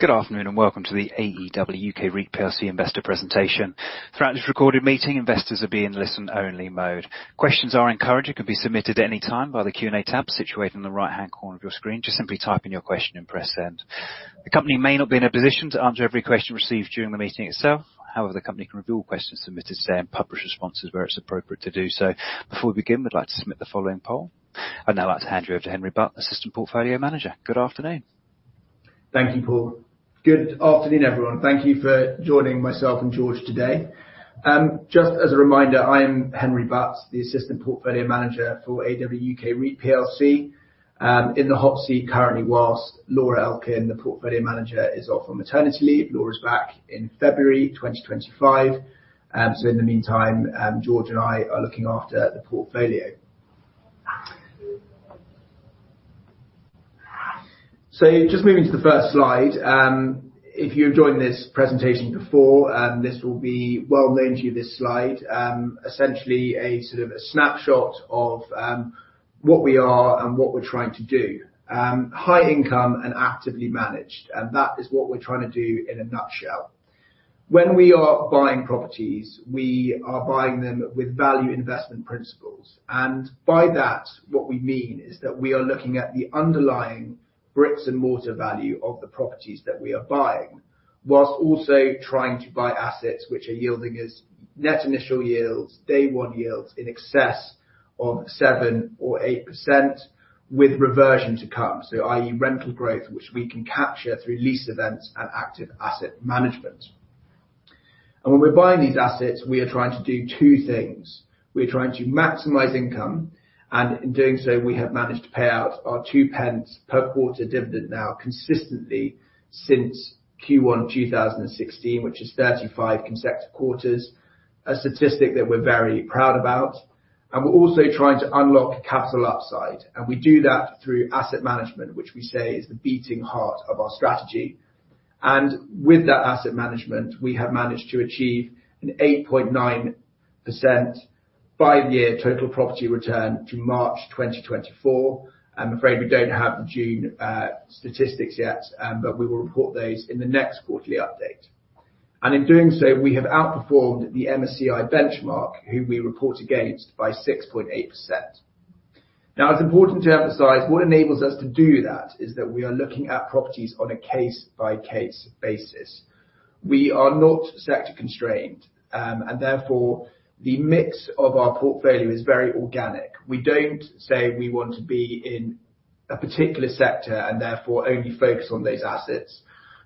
Good afternoon, and welcome to the AEW UK REIT PLC investor presentation. Throughout this recorded meeting, investors will be in listen-only mode. Questions are encouraged and can be submitted at any time by the Q&A tab situated in the right-hand corner of your screen. Just simply type in your question and press send. The company may not be in a position to answer every question received during the meeting itself, however, the company can review all questions submitted today and publish responses where it's appropriate to do so. Before we begin, we'd like to submit the following poll. I'd now like to hand you over to Henry Butt, Assistant Portfolio Manager. Good afternoon. Thank you, Paul. Good afternoon, everyone. Thank you for joining myself and George today. Just as a reminder, I am Henry Butt, the Assistant Portfolio Manager for AEW UK REIT PLC. In the hot seat currently, whilst Laura Elkin, the Portfolio Manager, is off on maternity leave. Laura's back in February 2025. So in the meantime, George and I are looking after the portfolio. So just moving to the first slide, if you've joined this presentation before, this will be well known to you, this slide. Essentially a sort of a snapshot of what we are and what we're trying to do. High income and actively managed, and that is what we're trying to do in a nutshell. When we are buying properties, we are buying them with value investment principles, and by that, what we mean is that we are looking at the underlying bricks and mortar value of the properties that we are buying, whilst also trying to buy assets which are yielding us net initial yields, day one yields, in excess of 7% or 8%, with reversion to come. So i.e., rental growth, which we can capture through lease events and active asset management. And when we're buying these assets, we are trying to do two things: We are trying to maximize income, and in doing so, we have managed to pay out our 0.02 per quarter dividend now consistently since Q1 2016, which is 35 consecutive quarters, a statistic that we're very proud about. We're also trying to unlock capital upside, and we do that through asset management, which we say is the beating heart of our strategy. With that asset management, we have managed to achieve an 8.9% five-year total property return to March 2024. I'm afraid we don't have the June statistics yet, but we will report those in the next quarterly update. In doing so, we have outperformed the MSCI benchmark, who we report against, by 6.8%. Now, it's important to emphasize, what enables us to do that is that we are looking at properties on a case-by-case basis. We are not sector constrained, and therefore, the mix of our portfolio is very organic. We don't say we want to be in a particular sector and therefore only focus on those assets.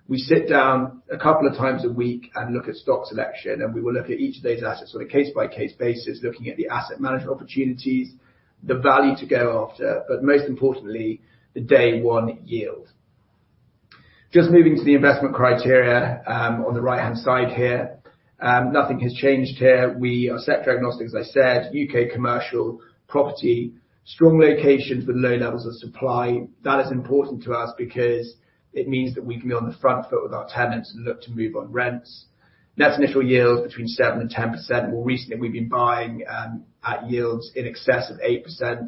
We sit down a couple of times a week and look at stock selection, and we will look at each of those assets on a case-by-case basis, looking at the asset management opportunities, the value to go after, but most importantly, the day one yield. Just moving to the investment criteria, on the right-hand side here. Nothing has changed here. We are sector agnostic, as I said, UK commercial property, strong locations with low levels of supply. That is important to us because it means that we can be on the front foot with our tenants and look to move on rents. Net initial yields between 7% and 10%. More recently, we've been buying, at yields in excess of 8%.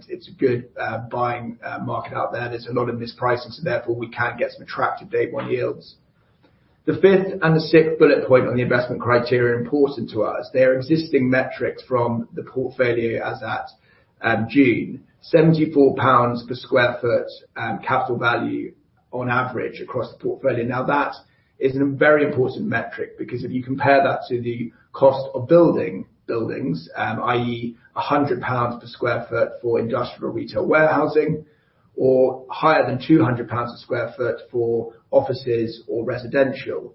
It's a good, buying market out there. There's a lot of mispricing, so therefore, we can get some attractive day one yields. The fifth and the sixth bullet point on the investment criteria are important to us. They are existing metrics from the portfolio as at June. GBP 74 per sq ft capital value on average across the portfolio. Now, that is a very important metric, because if you compare that to the cost of building buildings, i.e., 100 pounds per sq ft for industrial retail warehousing, or higher than 200 pounds a sq ft for offices or residential,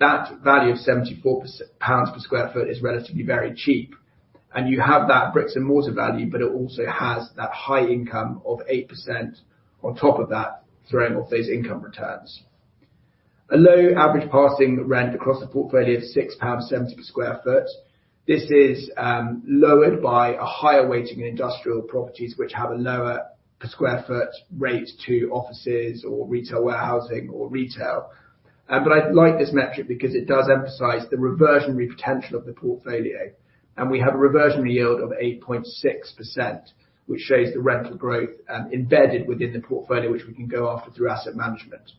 that value of 74 pounds per sq ft is relatively very cheap, and you have that bricks and mortar value, but it also has that high income of 8% on top of that, throwing off those income returns. A low average passing rent across the portfolio of 6.70 pounds per sq ft. This is lowered by a higher weighting in industrial properties, which have a lower per sq ft rate to offices or retail warehousing or retail. But I like this metric because it does emphasize the reversionary potential of the portfolio, and we have a reversionary yield of 8.6%, which shows the rental growth embedded within the portfolio, which we can go after through asset management.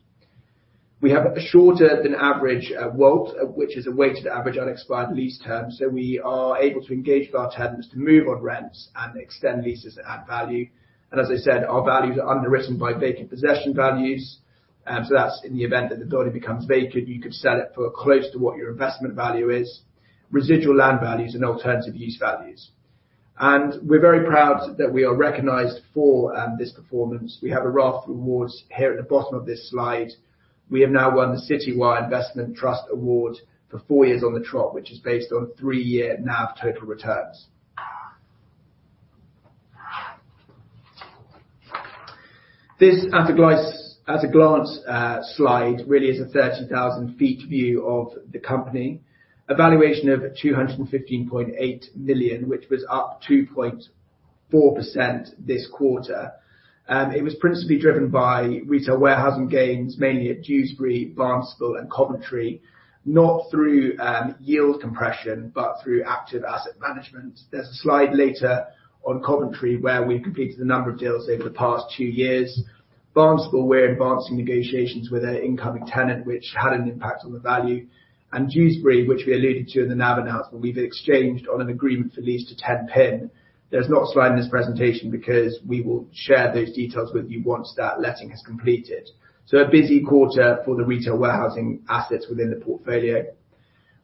We have a shorter than average WALT, which is a weighted average unexpired lease term, so we are able to engage with our tenants to move on rents and extend leases at value. As I said, our values are underwritten by vacant possession values, so that's in the event that the building becomes vacant, you could sell it for close to what your investment value is, residual land values and alternative use values. We're very proud that we are recognized for this performance. We have a raft of awards here at the bottom of this slide. We have now won the Citywire Investment Trust Award for four years on the trot, which is based on three-year NAV total returns. This at a glance slide really is a 30,000 feet view of the company. A valuation of 215.8 million, which was up 2.4% this quarter. It was principally driven by retail warehousing gains, mainly at Dewsbury, Barnstaple, and Coventry, not through yield compression, but through active asset management. There's a slide later on Coventry, where we've completed a number of deals over the past two years. Barnstaple, we're advancing negotiations with an incoming tenant, which had an impact on the value. And Dewsbury, which we alluded to in the NAV announcement, we've exchanged on an agreement for lease to Tenpin. There's no slide in this presentation because we will share those details with you once that letting has completed. So a busy quarter for the retail warehousing assets within the portfolio.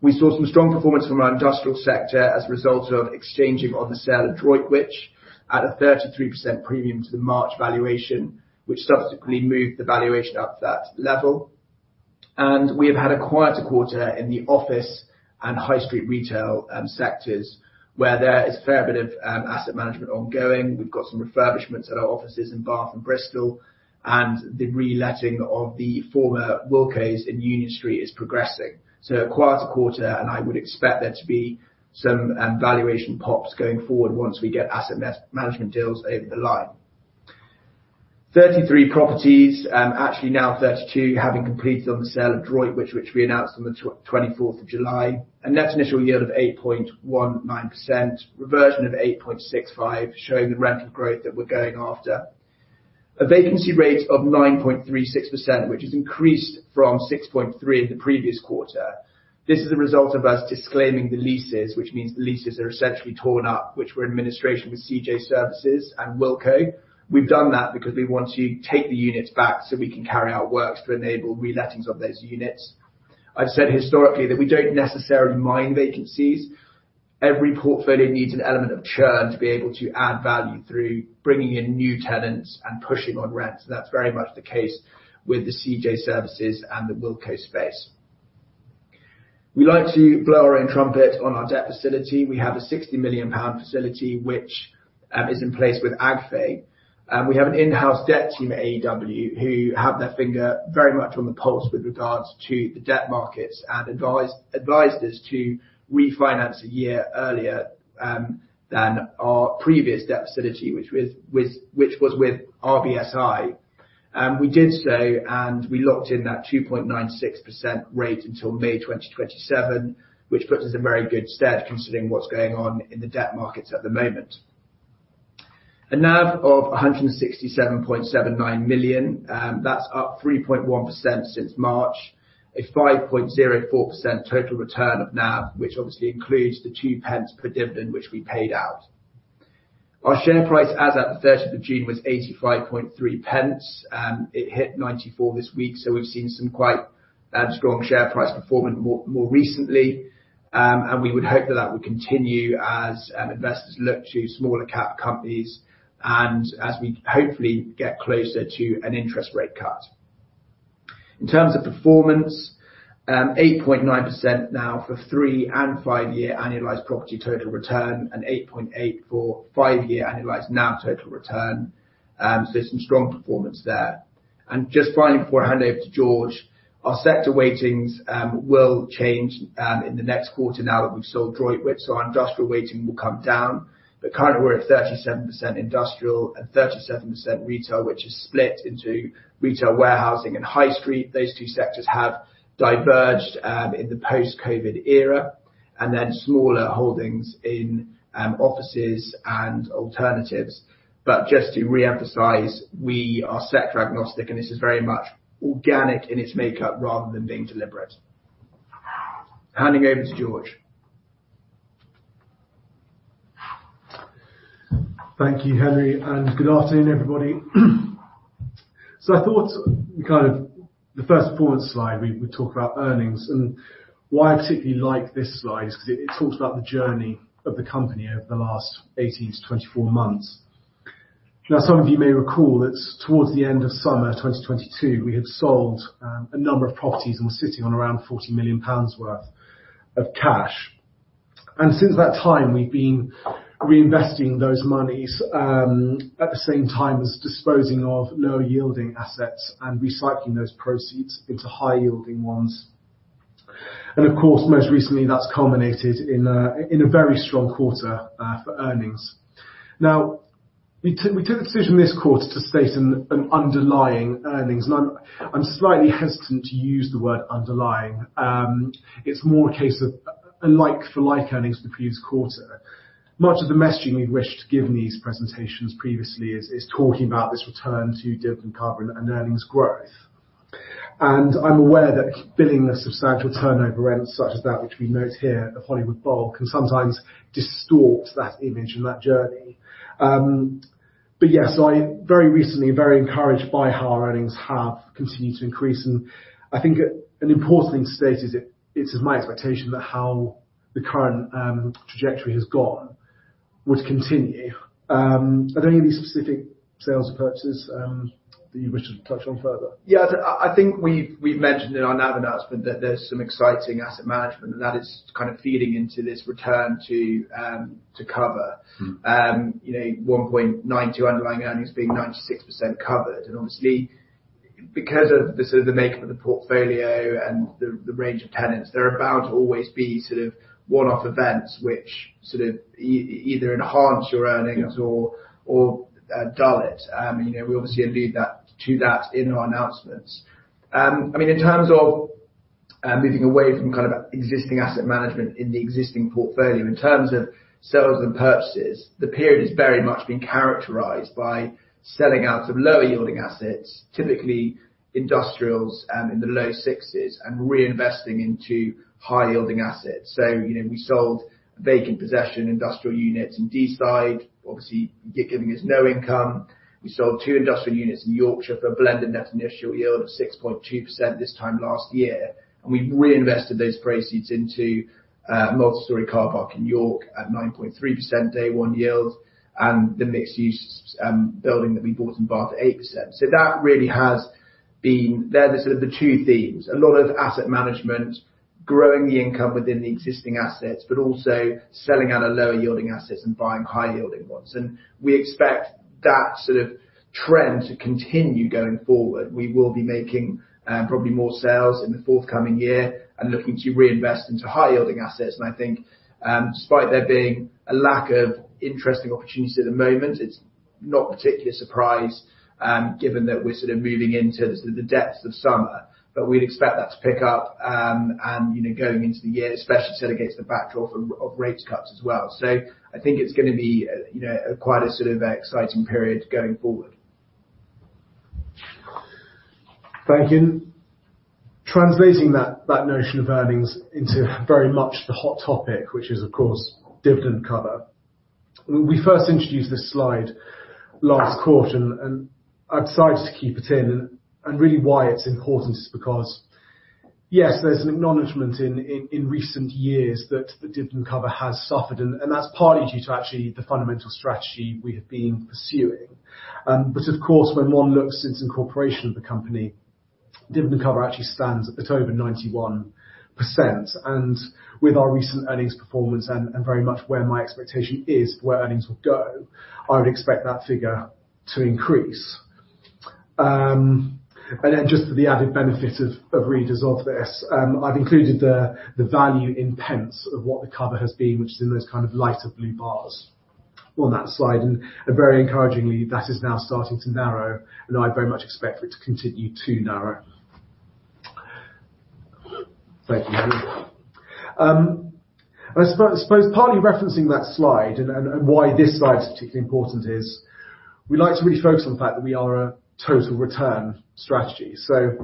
We saw some strong performance from our industrial sector as a result of exchanging on the sale of Droitwich, at a 33% premium to the March valuation, which subsequently moved the valuation up to that level. And we have had a quieter quarter in the office and high street retail sectors, where there is a fair bit of asset management ongoing. We've got some refurbishments at our offices in Bath and Bristol, and the reletting of the former Wilko's in Union Street is progressing. So a quieter quarter, and I would expect there to be some valuation pops going forward once we get asset management deals over the line. 33 properties, actually now 32, having completed on the sale of Droitwich, which we announced on the 24th of July, a net initial yield of 8.19%, reversion of 8.65%, showing the rental growth that we're going after. A vacancy rate of 9.36%, which has increased from 6.3% in the previous quarter. This is a result of us disclaiming the leases, which means the leases are essentially torn up, which were in administration with CJ Services and Wilko. We've done that because we want to take the units back so we can carry out works to enable relettings of those units. I've said historically, that we don't necessarily mind vacancies. Every portfolio needs an element of churn to be able to add value through bringing in new tenants and pushing on rents, and that's very much the case with the C.J. Services and the Wilko space. We like to blow our own trumpet on our debt facility. We have a 60 million pound facility, which is in place with AgFe. We have an in-house debt team at AEW, who have their finger very much on the pulse with regards to the debt markets and advised us to refinance a year earlier than our previous debt facility, which was with RBSI. We did so, and we locked in that 2.96% rate until May 2027, which puts us in very good stead considering what's going on in the debt markets at the moment. A NAV of 167.79 million, that's up 3.1% since March, a 5.04% total return of NAV, which obviously includes the 0.02 per dividend, which we paid out. Our share price, as at the 3rd of June, was 0.853, it hit 0.94 this week, so we've seen some quite strong share price performance more recently. And we would hope that that will continue as investors look to smaller cap companies, and as we hopefully get closer to an interest rate cut. In terms of performance, 8.9% now for three- and five-year annualized property total return, and 8.8% for five-year annualized NAV total return. So there's some strong performance there. And just finally, before I hand over to George, our sector weightings will change in the next quarter now that we've sold Droitwich, so our industrial weighting will come down. But currently, we're at 37% industrial and 37% retail, which is split into retail, warehousing, and high street. Those two sectors have diverged in the post-COVID era, and then smaller holdings in offices and alternatives. But just to reemphasize, we are sector agnostic, and this is very much organic in its makeup rather than being deliberate. Handing over to George. Thank you, Henry, and good afternoon, everybody. So I thought we'd kind of the first forward slide, we talk about earnings, and why I particularly like this slide is because it talks about the journey of the company over the last 18-24 months. Now, some of you may recall that towards the end of summer, 2022, we had sold a number of properties and were sitting on around 40 million pounds worth of cash. And since that time, we've been reinvesting those monies, at the same time as disposing of lower yielding assets and recycling those proceeds into higher yielding ones. And of course, most recently, that's culminated in a very strong quarter for earnings. Now, we took the decision this quarter to state an underlying earnings, and I'm slightly hesitant to use the word underlying. It's more a case of a like-for-like earnings for the previous quarter. Much of the messaging we've wished to give in these presentations previously is talking about this return to dividend cover and earnings growth. And I'm aware that billing a substantial turnover rent, such as that which we note here at Hollywood Bowl, can sometimes distort that image and that journey. But yeah, so I'm very recently, very encouraged by how our earnings have continued to increase, and I think an important thing to state is that it is my expectation that how the current trajectory has gone, would continue. Are there any specific sales or purchases that you wish to touch on further? Yeah, I think we've mentioned in our NAV announcement that there's some exciting asset management, and that is kind of feeding into this return to cover. Mm-hmm. You know, 1.92 underlying earnings being 96% covered, and obviously, because of the sort of, the makeup of the portfolio and the, the range of tenants, there are bound to always be sort of one-off events, which sort of either enhance your earnings- Yeah You know, we obviously allude to that in our announcements. I mean, in terms of moving away from kind of existing asset management in the existing portfolio, in terms of sales and purchases, the period has very much been characterized by selling out some lower yielding assets, typically industrials, in the low 6s, and reinvesting into high yielding assets. So, you know, we sold vacant possession industrial units in Deeside, obviously giving us no income. We sold two industrial units in Yorkshire for a blended net initial yield of 6.2% this time last year, and we've reinvested those proceeds into a multi-story car park in York at 9.3% day one yield, and the mixed use building that we bought in Bath at 8%. So that really has been. They're the sort of the two themes, a lot of asset management, growing the income within the existing assets, but also selling out our lower yielding assets and buying high yielding ones. And we expect that sort of trend to continue going forward. We will be making probably more sales in the forthcoming year and looking to reinvest into higher yielding assets. And I think, despite there being a lack of interesting opportunities at the moment, it's not particularly a surprise, given that we're sort of moving into the depths of summer. But we'd expect that to pick up, and, you know, going into the year, especially as it gets the back draw from, of rate cuts as well. So I think it's gonna be, you know, quite a sort of exciting period going forward. Thank you. Translating that notion of earnings into very much the hot topic, which is, of course, dividend cover. When we first introduced this slide last quarter, and I decided to keep it in, and really why it's important is because, yes, there's an acknowledgement in recent years that the dividend cover has suffered, and that's partly due to actually the fundamental strategy we have been pursuing. But of course, when one looks since incorporation of the company, dividend cover actually stands at over 91%. And with our recent earnings performance and very much where my expectation is for where earnings will go, I would expect that figure to increase. And then just for the added benefit of readers of this, I've included the value in pence of what the cover has been, which is in those kind of lighter blue bars on that slide, and very encouragingly, that is now starting to narrow, and I very much expect it to continue to narrow. Thank you, Henry. I suppose partly referencing that slide and why this slide is particularly important is we like to really focus on the fact that we are a total return strategy. So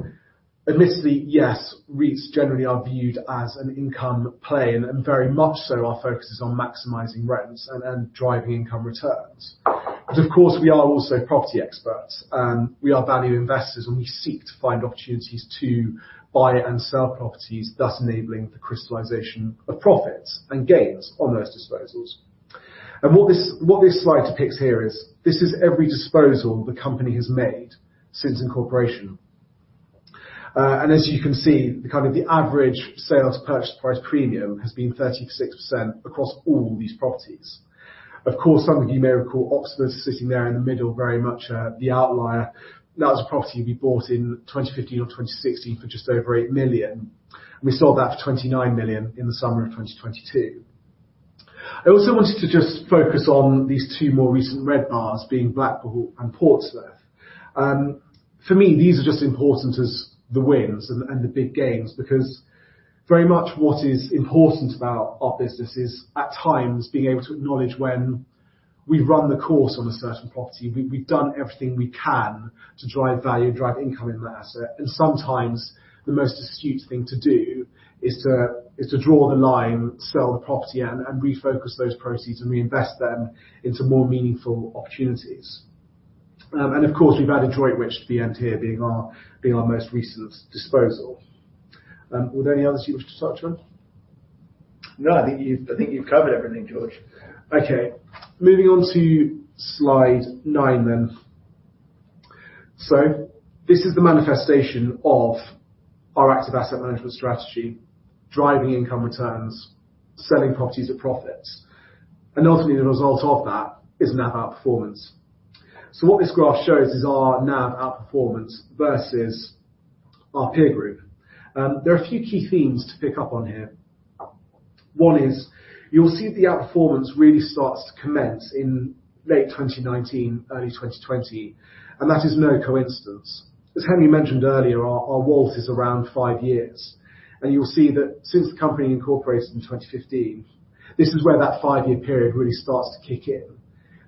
admittedly, yes, REITs generally are viewed as an income play, and very much so, our focus is on maximizing rents and driving income returns. But of course, we are also property experts, we are value investors, and we seek to find opportunities to buy and sell properties, thus enabling the crystallization of profits and gains on those disposals. And what this, what this slide depicts here is, this is every disposal the company has made since incorporation. And as you can see, the kind of the average sales purchase price premium has been 36% across all these properties. Of course, some of you may recall Oxford sitting there in the middle, very much, the outlier. That was a property we bought in 2015 or 2016 for just over 8 million, and we sold that for 29 million in the summer of 2022. I also wanted to just focus on these two more recent red bars, being Blackpool and Portsmouth. For me, these are just as important as the wins and the, and the big gains, because very much what is important about our business is, at times, being able to acknowledge when we've run the course on a certain property. We've done everything we can to drive value and drive income in that asset, and sometimes the most astute thing to do is to draw the line, sell the property, and refocus those proceeds and reinvest them into more meaningful opportunities. And of course, we've added Droitwich to the end here, being our most recent disposal. Were there any others you wanted to touch on? No, I think you've, I think you've covered everything, George. Okay, moving on to slide nine then. So this is the manifestation of our active asset management strategy, driving income returns, selling properties at profit. And ultimately, the result of that is NAV outperformance. So what this graph shows is our NAV outperformance versus our peer group. There are a few key themes to pick up on here. One is, you'll see the outperformance really starts to commence in late 2019, early 2020, and that is no coincidence. As Henry mentioned earlier, our WALT is around five years, and you'll see that since the company incorporated in 2015, this is where that five-year period really starts to kick in.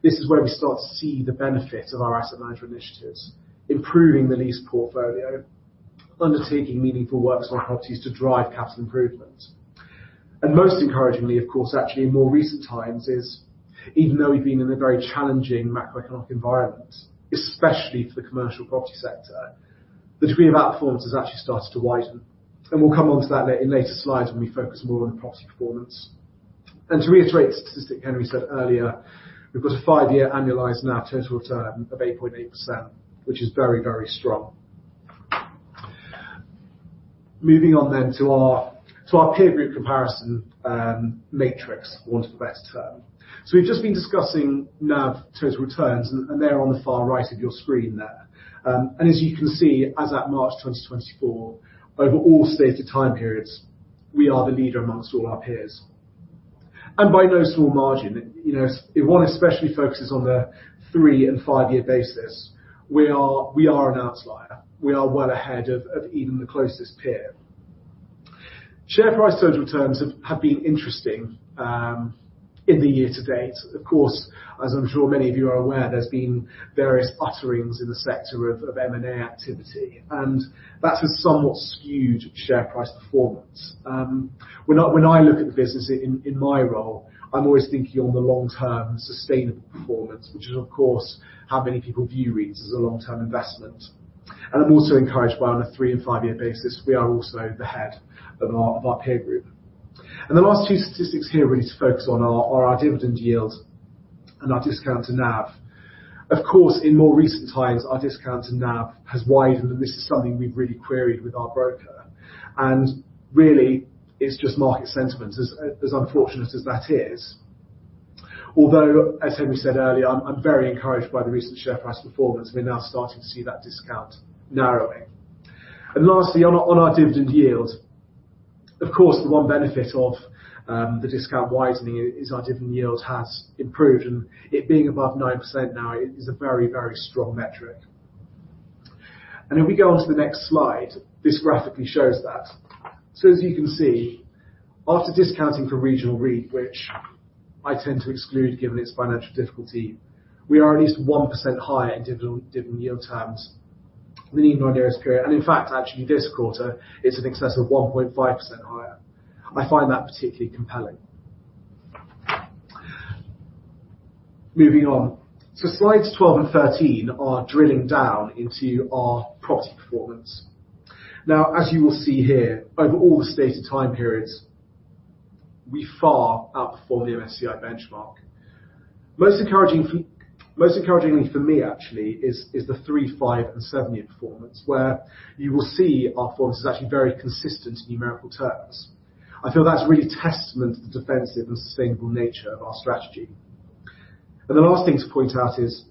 This is where we start to see the benefit of our asset management initiatives, improving the lease portfolio, undertaking meaningful works on our properties to drive capital improvement. Most encouragingly, of course, actually in more recent times, is even though we've been in a very challenging macroeconomic environment, especially for the commercial property sector, the degree of outperformance has actually started to widen, and we'll come onto that later in later slides when we focus more on the property performance. To reiterate the statistic Henry said earlier, we've got a five-year annualized NAV total return of 8.8%, which is very, very strong. Moving on then to our peer group comparison matrix, for want of a better term. So we've just been discussing NAV total returns, and they're on the far right of your screen there. And as you can see, as at March 2024, over all stated time periods, we are the leader among all our peers. By no small margin, you know, if one especially focuses on the 3- and 5-year basis, we are, we are an outlier. We are well ahead of, of even the closest peer. Share price total returns have, have been interesting in the year to date. Of course, as I'm sure many of you are aware, there's been various utterings in the sector of, of M&A activity, and that has somewhat skewed share price performance. When I, when I look at the business in, in my role, I'm always thinking on the long term sustainable performance, which is, of course, how many people view REITs as a long-term investment. I'm also encouraged by on a 3- and 5-year basis, we are also the head of our, of our peer group. And the last two statistics here really to focus on are our dividend yield and our discount to NAV. Of course, in more recent times, our discount to NAV has widened, and this is something we've really queried with our broker, and really, it's just market sentiment, as unfortunate as that is. Although, as Henry said earlier, I'm very encouraged by the recent share price performance. We're now starting to see that discount narrowing. And lastly, on our dividend yield, of course, the one benefit of the discount widening is our dividend yield has improved, and it being above 9% now is a very, very strong metric. And if we go on to the next slide, this graphically shows that. So as you can see, after discounting for Regional REIT, which I tend to exclude, given its financial difficulty, we are at least 1% higher in dividend, dividend yield terms than even our nearest peer. And in fact, actually this quarter, it's in excess of 1.5% higher. I find that particularly compelling. Moving on. So slides 12 and 13 are drilling down into our property performance. Now, as you will see here, over all the stated time periods, we far outperform the MSCI benchmark. Most encouragingly for me, actually, is the 3-, 5-, and 7-year performance, where you will see our performance is actually very consistent in numerical terms. I feel that's really testament to the defensive and sustainable nature of our strategy. The last thing to point out is,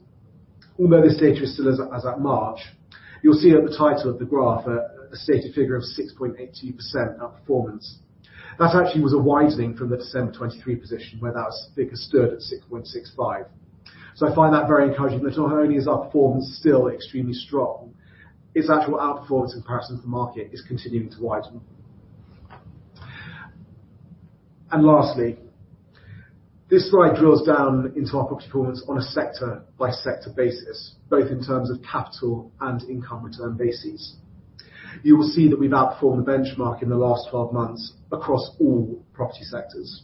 although this data is still as at March, you'll see at the title of the graph a stated figure of 6.82% outperformance. That actually was a widening from the December 2023 position, where that figure stood at 6.65. So I find that very encouraging, that not only is our performance still extremely strong, its actual outperformance in comparison to the market is continuing to widen. And lastly, this slide drills down into our property performance on a sector-by-sector basis, both in terms of capital and income return basis. You will see that we've outperformed the benchmark in the last 12 months across all property sectors.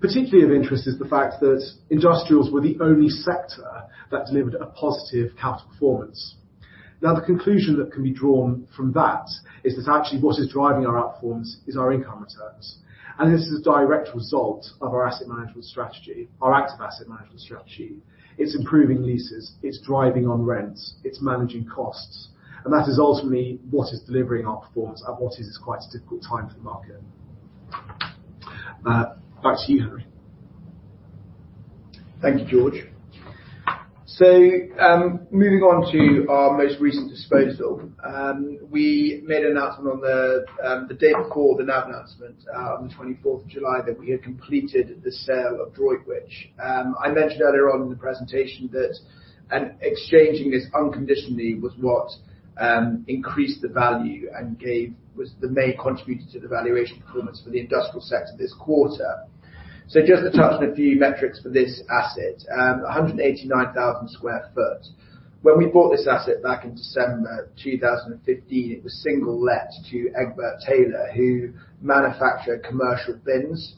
Particularly of interest is the fact that industrials were the only sector that delivered a positive capital performance. Now, the conclusion that can be drawn from that, is that actually what is driving our outperformance is our income returns, and this is a direct result of our asset management strategy, our active asset management strategy. It's improving leases, it's driving on rents, it's managing costs, and that is ultimately what is delivering our performance at what is quite a difficult time for the market. Back to you, Henry. Thank you, George. So, moving on to our most recent disposal. We made an announcement on the, the day before the NAV announcement, on the twenty-fourth of July, that we had completed the sale of Droitwich. I mentioned earlier on in the presentation that and exchanging this unconditionally was what increased the value and gave was the main contributor to the valuation performance for the industrial sector this quarter. So just to touch on a few metrics for this asset, 189,000 sq ft. When we bought this asset back in December 2015, it was single let to Egbert Taylor, who manufacture commercial bins,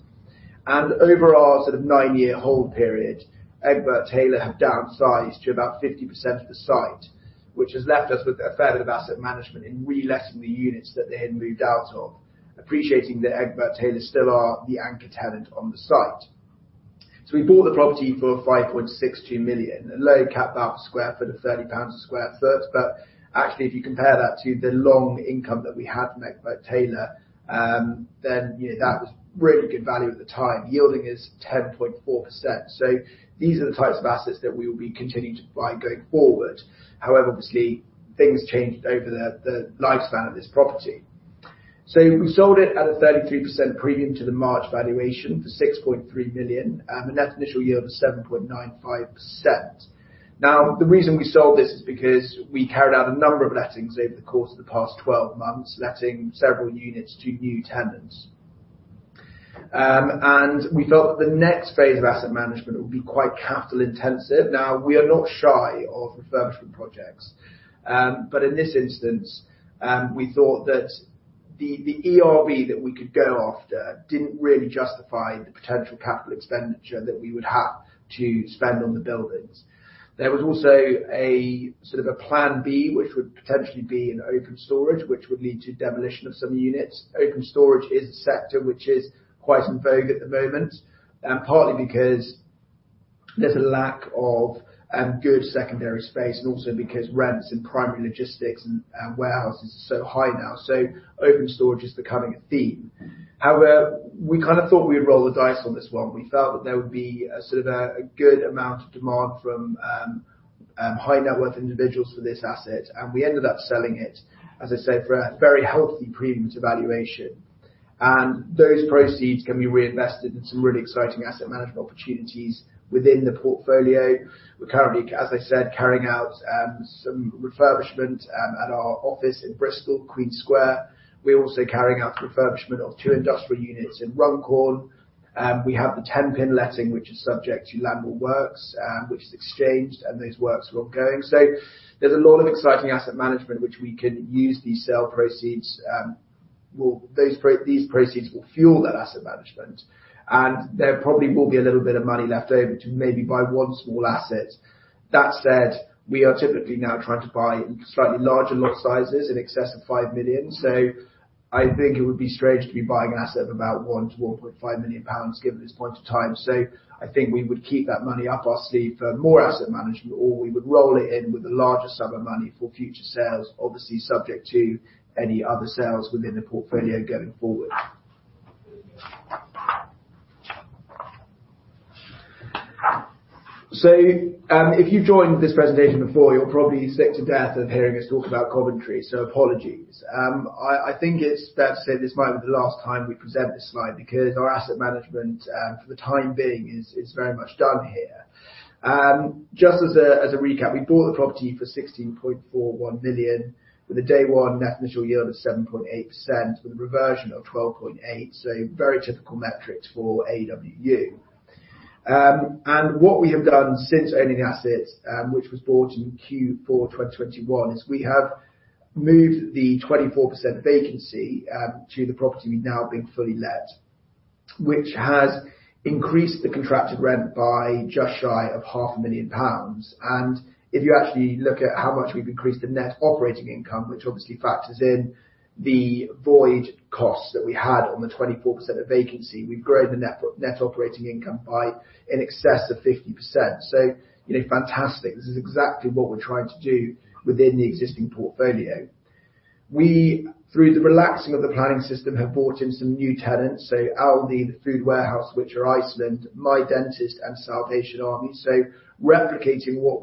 and over our sort of 9-year hold period, Egbert Taylor have downsized to about 50% of the site, which has left us with a fair bit of asset management in re-letting the units that they had moved out of. Appreciating that Egbert Taylor still are the anchor tenant on the site. So we bought the property for 5.62 million, a low cap rate per square foot of £30 a sq ft, but actually, if you compare that to the long income that we had from Egbert Taylor, then, you know, that was really good value at the time, yielding us 10.4%. So these are the types of assets that we will be continuing to buy going forward. However, obviously, things changed over the lifespan of this property. So we sold it at a 33% premium to the March valuation for 6.3 million, a net initial yield of 7.95%. Now, the reason we sold this is because we carried out a number of lettings over the course of the past 12 months, letting several units to new tenants. And we felt that the next phase of asset management would be quite capital intensive. Now, we are not shy of refurbishment projects, but in this instance, we thought that the ERV that we could go after didn't really justify the potential capital expenditure that we would have to spend on the buildings. There was also a sort of a plan B, which would potentially be in open storage, which would lead to demolition of some units. Open storage is a sector which is quite in vogue at the moment, partly because there's a lack of good secondary space, and also because rents and primary logistics and warehouses are so high now, so open storage is becoming a theme. However, we kind of thought we'd roll the dice on this one. We felt that there would be a sort of good amount of demand from high net worth individuals for this asset, and we ended up selling it, as I said, for a very healthy premium to valuation. Those proceeds can be reinvested in some really exciting asset management opportunities within the portfolio. We're currently, as I said, carrying out some refurbishment at our office in Bristol, Queen Square. We're also carrying out refurbishment of two industrial units in Runcorn. We have the Tenpin letting, which is subject to landlord works, which is exchanged, and those works are ongoing. So there's a lot of exciting asset management, which we can use these sale proceeds. Those proceeds will fuel that asset management, and there probably will be a little bit of money left over to maybe buy one small asset. That said, we are typically now trying to buy slightly larger lot sizes in excess of 5 million. So I think it would be strange to be buying an asset of about 1-1.5 million pounds, given this point in time. So I think we would keep that money up our sleeve for more asset management, or we would roll it in with a larger sum of money for future sales, obviously subject to any other sales within the portfolio going forward. So, if you've joined this presentation before, you're probably sick to death of hearing us talk about Coventry, so apologies. I think it's fair to say this might be the last time we present this slide, because our asset management, for the time being, is very much done here. Just as a recap, we bought the property for 16.41 million, with a day one net initial yield of 7.8%, with a reversion of 12.8%. So very typical metrics for AEW. And what we have done since owning the asset, which was bought in Q4 of 2021, is we have moved the 24% vacancy to the property now being fully let, which has increased the contracted rent by just shy of 500,000 pounds. And if you actually look at how much we've increased the net operating income, which obviously factors in the void costs that we had on the 24% of vacancy, we've grown the net-net operating income by in excess of 50%. So, you know, fantastic. This is exactly what we're trying to do within the existing portfolio. We, through the relaxing of the planning system, have brought in some new tenants, so Aldi, The Food Warehouse, which are Iceland, mydentist and The Salvation Army. So replicating what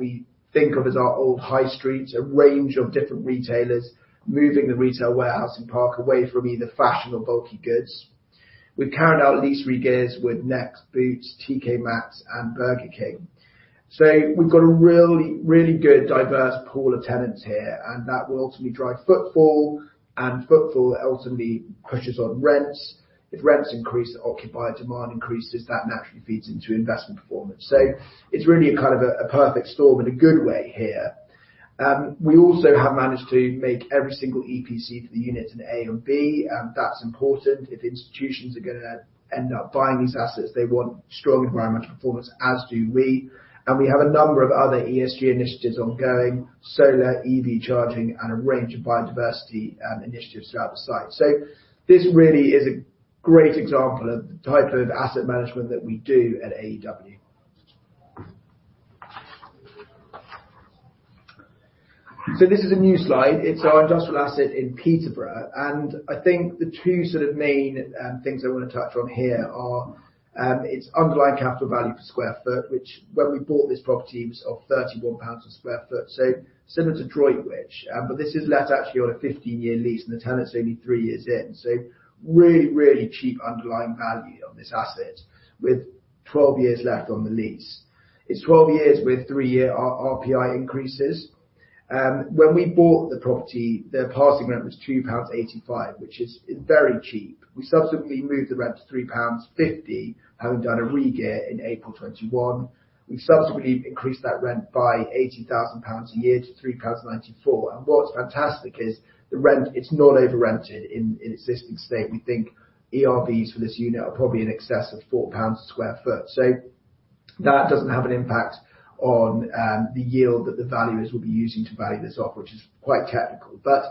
we think of as our old high streets, a range of different retailers, moving the retail warehousing park away from either fashion or bulky goods. We've carried out lease regears with Next, Boots, TK Maxx, and Burger King. So we've got a really, really good, diverse pool of tenants here, and that will ultimately drive footfall, and footfall ultimately pushes on rents. If rents increase, the occupied demand increases, that naturally feeds into investment performance. So it's really a kind of a, a perfect storm in a good way here. We also have managed to make every single EPC for the units an A or B. That's important. If institutions are gonna end up buying these assets, they want strong environmental performance, as do we. And we have a number of other ESG initiatives ongoing, solar, EV charging, and a range of biodiversity initiatives throughout the site. So this really is a great example of the type of asset management that we do at AEW. So this is a new slide. It's our industrial asset in Peterborough, and I think the two sort of main things I want to touch on here are its underlying capital value per square foot, which, when we bought this property, was 31 pounds per sq ft. So similar to Droitwich, but this is let actually on a 15-year lease, and the tenant's only three years in, so really, really cheap underlying value on this asset, with 12 years left on the lease. It's 12 years with three-year RPI increases. When we bought the property, the passing rent was 2.85 pounds, which is very cheap. We subsequently moved the rent to 3.50 pounds, having done a regear in April 2021. We've subsequently increased that rent by 80,000 pounds a year to 3.94 pounds. What's fantastic is the rent, it's not over-rented in its existing state. We think ERVs for this unit are probably in excess of 4 pounds a sq ft. So that doesn't have an impact on the yield that the valuers will be using to value this off, which is quite technical. But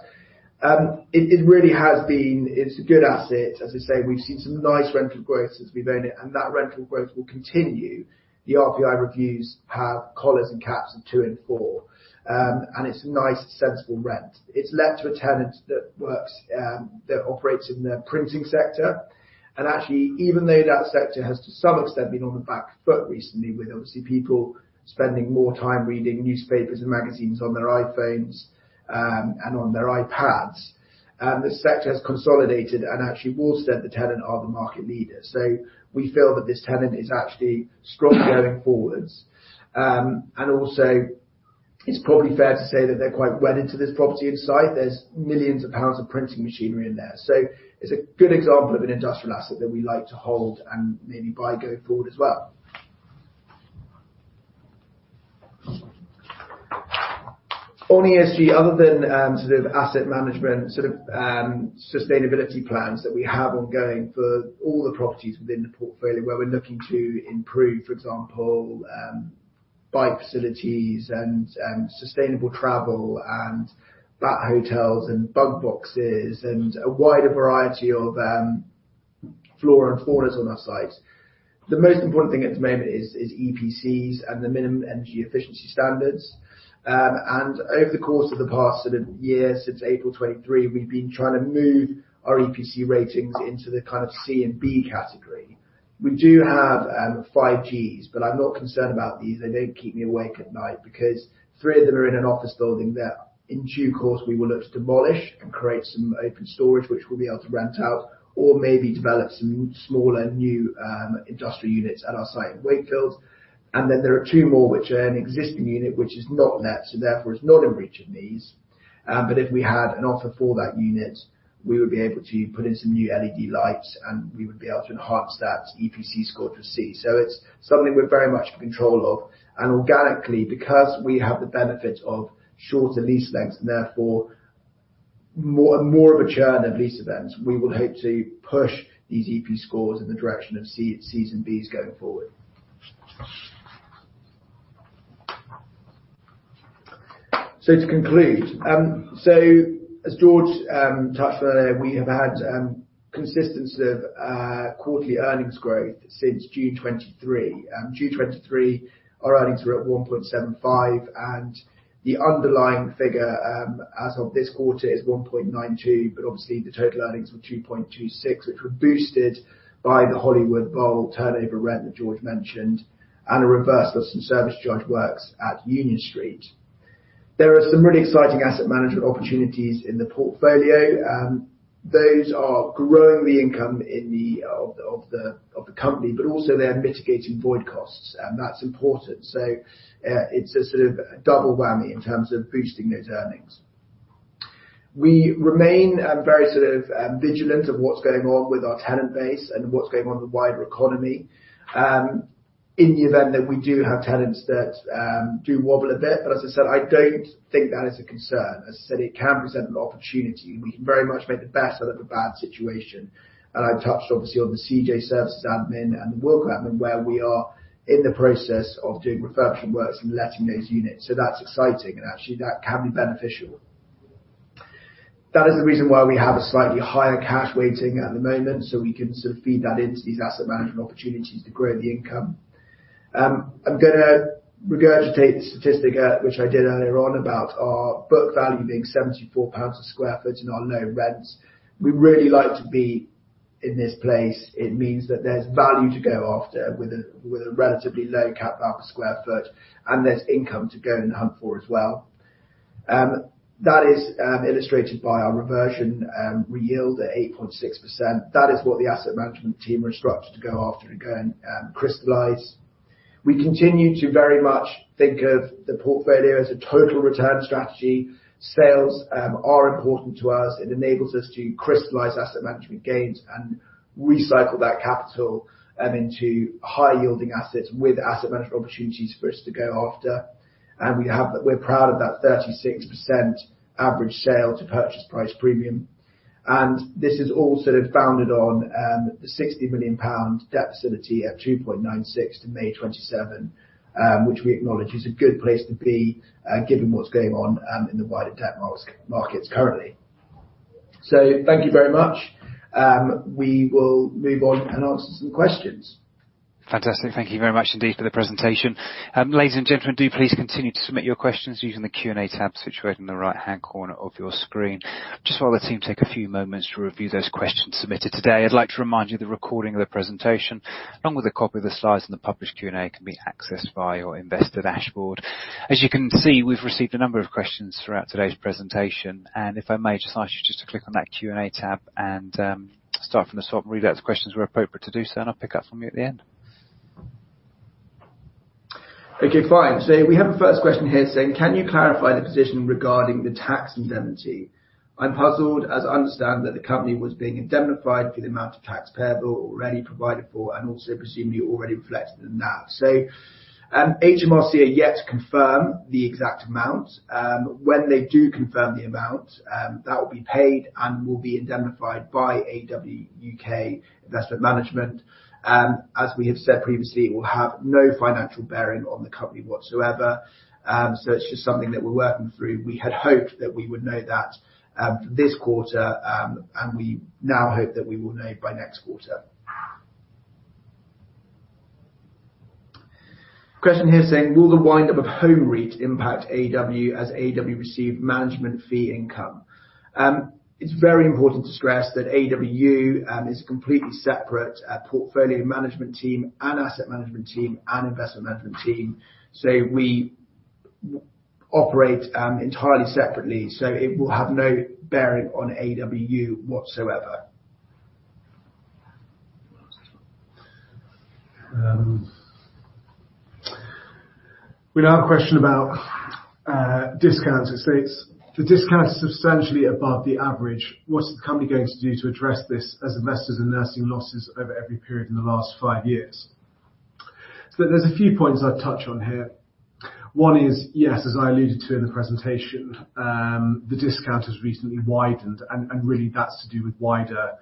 it really has been... It's a good asset. As I say, we've seen some nice rental growth since we've owned it, and that rental growth will continue. The RPI reviews have collars and caps of 2 and 4. And it's a nice, sensible rent. It's let to a tenant that works that operates in the printing sector. Actually, even though that sector has to some extent been on the back foot recently, with obviously people spending more time reading newspapers and magazines on their iPhones and on their iPads, the sector has consolidated and actually would say the tenant are the market leader. So we feel that this tenant is actually strong going forward. And also, it's probably fair to say that they're quite wed into this property inside. There's millions of GBP of printing machinery in there. So it's a good example of an industrial asset that we like to hold and maybe buy going forward as well. On ESG, other than sort of asset management, sort of, sustainability plans that we have ongoing for all the properties within the portfolio, where we're looking to improve, for example, bike facilities and sustainable travel and bat hotels and bug boxes and a wider variety of flora and faunas on our sites. The most important thing at the moment is EPCs and the minimum energy efficiency standards. And over the course of the past year, since April 2023, we've been trying to move our EPC ratings into the kind of C and B category. We do have five Gs, but I'm not concerned about these. They don't keep me awake at night, because three of them are in an office building that, in due course, we will look to demolish and create some open storage, which we'll be able to rent out, or maybe develop some smaller, new, industrial units at our site in Wakefield. And then there are two more, which are an existing unit, which is not let, so therefore, is not in breach of these. But if we had an offer for that unit, we would be able to put in some new LED lights, and we would be able to enhance that EPC score to C. So it's something we're very much in control of, and organically, because we have the benefit of shorter lease lengths, and therefore, more, more of a churn of lease events, we will hope to push these EPC scores in the direction of C, Cs and Bs going forward. So to conclude, so as George touched on earlier, we have had consistency of quarterly earnings growth since June 2023. June 2023, our earnings were at 1.75, and the underlying figure, as of this quarter, is 1.92, but obviously, the total earnings were 2.26, which were boosted by the Hollywood Bowl turnover rent that George mentioned, and a reverse of some service charge works at Union Street. There are some really exciting asset management opportunities in the portfolio. Those are growing the income in the company, but also they're mitigating void costs, and that's important. So, it's a sort of double whammy in terms of boosting those earnings. We remain very sort of vigilant of what's going on with our tenant base and what's going on with the wider economy. In the event that we do have tenants that do wobble a bit, but as I said, I don't think that is a concern. As I said, it can present an opportunity, and we can very much make the best out of a bad situation. And I've touched, obviously, on the C.J. Services admin and the Wilko admin, where we are in the process of doing refurbishment works and letting those units. So that's exciting, and actually, that can be beneficial. That is the reason why we have a slightly higher cash weighting at the moment, so we can sort of feed that into these asset management opportunities to grow the income. I'm gonna regurgitate the statistic, which I did earlier on about our book value being 74 pounds per sq ft in our known rents. We really like to be in this place. It means that there's value to go after with a, with a relatively low cap rate per sq ft, and there's income to go and hunt for as well. That is illustrated by our reversionary yield at 8.6%. That is what the asset management team are instructed to go after and go and crystallize. We continue to very much think of the portfolio as a total return strategy. Sales are important to us. It enables us to crystallize asset management gains and recycle that capital into high-yielding assets with asset management opportunities for us to go after. We're proud of that 36% average sale to purchase price premium. This is all sort of founded on the 60 million pound debt facility at 2.96% to May 2027, which we acknowledge is a good place to be, given what's going on in the wider debt markets currently. Thank you very much. We will move on and answer some questions. Fantastic. Thank you very much indeed for the presentation. Ladies and gentlemen, do please continue to submit your questions using the Q&A tab situated in the right-hand corner of your screen. Just while the team take a few moments to review those questions submitted today, I'd like to remind you, the recording of the presentation, along with a copy of the slides and the published Q&A, can be accessed via your investor dashboard. As you can see, we've received a number of questions throughout today's presentation, and if I may, just ask you to click on that Q&A tab and, start from the top, and read out the questions where appropriate to do so, and I'll pick up from you at the end. Okay, fine. So we have a first question here saying: "Can you clarify the position regarding the tax indemnity? I'm puzzled, as I understand that the company was being indemnified for the amount of tax payable already provided for, and also presumably already reflected in that." So, HMRC are yet to confirm the exact amount. When they do confirm the amount, that will be paid and will be indemnified by AEW UK Investment Management. As we have said previously, it will have no financial bearing on the company whatsoever. So it's just something that we're working through. We had hoped that we would know that, this quarter, and we now hope that we will know by next quarter. Question here saying: "Will the wind up of Home REIT impact AEW, as AEW received management fee income?" It's very important to stress that AEW UK is a completely separate portfolio management team, and asset management team, and investment management team. So we operate entirely separately, so it will have no bearing on AEW UK whatsoever. We now have a question about discounts. It states, "The discount is substantially above the average. What's the company going to do to address this, as investors are nursing losses over every period in the last five years?" So there's a few points I'd touch on here. One is, yes, as I alluded to in the presentation, the discount has recently widened, and really, that's to do with wider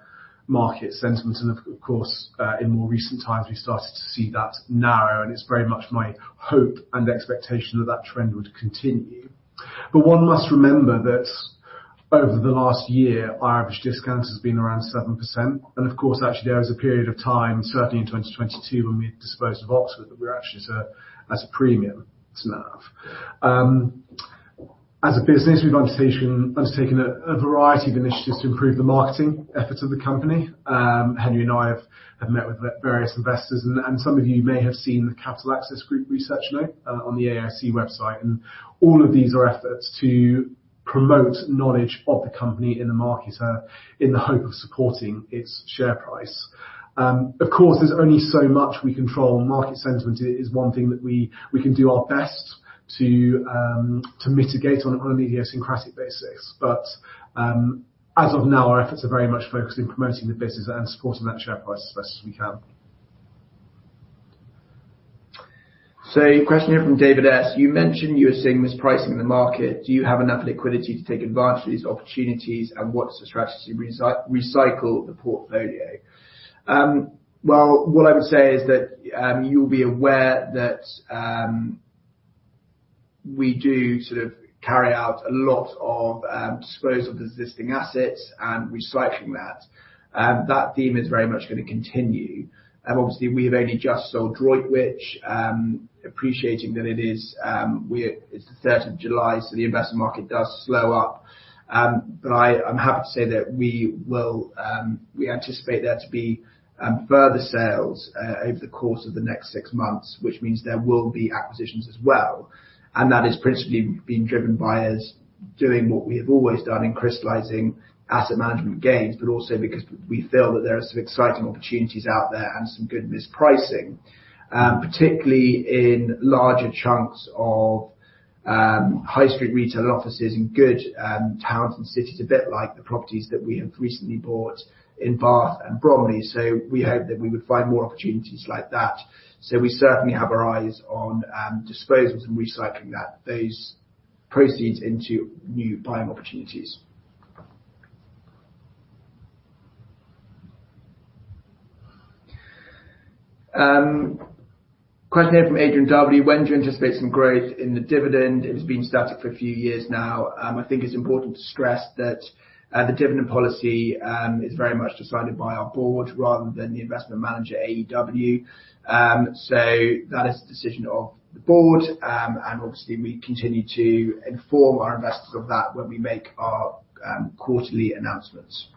market sentiment. And of course, in more recent times, we've started to see that narrow, and it's very much my hope and expectation that that trend would continue. But one must remember that over the last year, our average discount has been around 7%, and of course, actually, there was a period of time, certainly in 2022, when we disposed of Oxford, that we were actually at a premium to NAV. As a business, we've undertaken a variety of initiatives to improve the marketing efforts of the company. Henry and I have met with various investors, and some of you may have seen the Capital Access Group research note on the AIC website. And all of these are efforts to promote knowledge of the company in the market in the hope of supporting its share price. Of course, there's only so much we control. Market sentiment is one thing that we can do our best to mitigate on an idiosyncratic basis. But as of now, our efforts are very much focused in promoting the business and supporting that share price as best as we can. So question here from David S: You mentioned you were seeing mispricing in the market. Do you have enough liquidity to take advantage of these opportunities, and what's the strategy to recycle the portfolio? Well, what I would say is that, you'll be aware that, we do sort of carry out a lot of, disposal of existing assets and recycling that. That theme is very much gonna continue. Obviously, we've only just sold Droitwich. Appreciating that it is, it's the third of July, so the investment market does slow up. I'm happy to say that we will, we anticipate there to be, further sales over the course of the next six months, which means there will be acquisitions as well, and that is principally being driven by us doing what we have always done in crystallizing asset management gains, but also because we feel that there are some exciting opportunities out there and some good mispricing, particularly in larger chunks of high street retail offices in good towns and cities, a bit like the properties that we have recently bought in Bath and Bromley. We hope that we would find more opportunities like that. We certainly have our eyes on disposals and recycling those proceeds into new buying opportunities. Question here from Adrian W: When do you anticipate some growth in the dividend? It's been static for a few years now. I think it's important to stress that, the dividend policy, is very much decided by our board rather than the investment manager, AEW. So that is the decision of the board. And obviously, we continue to inform our investors of that when we make our, quarterly announcements.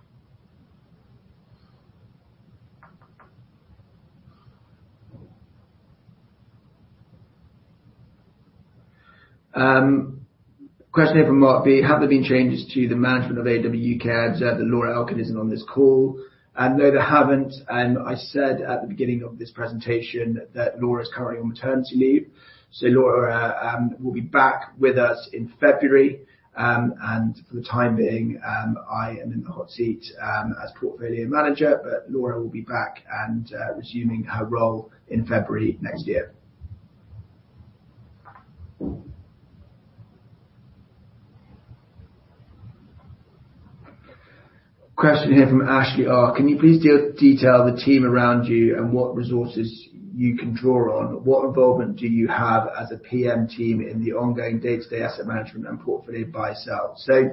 Question here from Mark B: Have there been changes to the management of AEW UK? I observe that Laura Elkin isn't on this call. And no, there haven't. And I said, at the beginning of this presentation, that Laura is currently on maternity leave. So Laura, will be back with us in February. And for the time being, I am in the hot seat, as portfolio manager, but Laura will be back and, resuming her role in February next year. Question here from Ashley R: Can you please detail the team around you and what resources you can draw on? What involvement do you have as a PM team in the ongoing day-to-day asset management and portfolio buy, sell? So,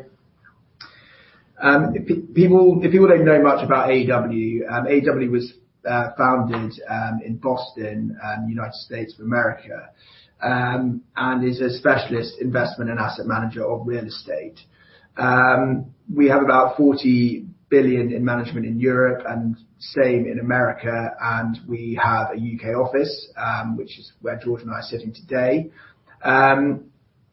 people, if people don't know much about AEW, AEW was founded in Boston, United States of America, and is a specialist investment and asset manager of real estate. We have about $40 billion in management in Europe, and same in America, and we have a UK office, which is where George and I are sitting today.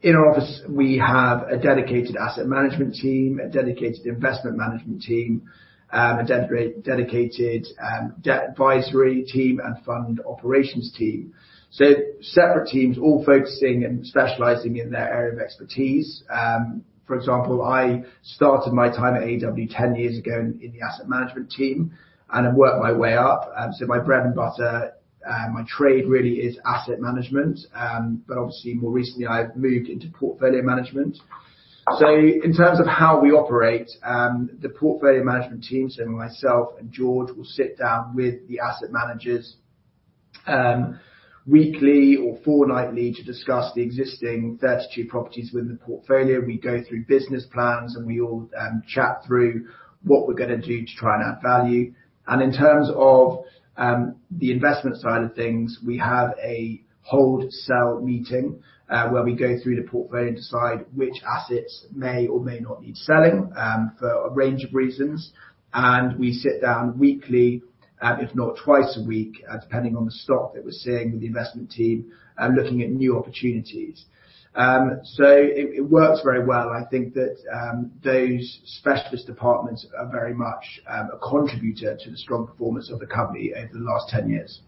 In our office, we have a dedicated asset management team, a dedicated investment management team, a dedicated debt advisory team and fund operations team. So separate teams all focusing and specializing in their area of expertise. For example, I started my time at AEW 10 years ago in the asset management team and have worked my way up. So my bread and butter, my trade really is asset management. But obviously, more recently, I've moved into portfolio management. So in terms of how we operate, the portfolio management team, so myself and George, will sit down with the asset managers, weekly or fortnightly to discuss the existing 32 properties within the portfolio. We go through business plans, and we all chat through what we're gonna do to try and add value. In terms of the investment side of things, we have a hold/sell meeting, where we go through the portfolio and decide which assets may or may not need selling, for a range of reasons. We sit down weekly, if not twice a week, depending on the stock that we're seeing with the investment team, looking at new opportunities. So it, it works very well. I think that, those specialist departments are very much, a contributor to the strong performance of the company over the last 10 years.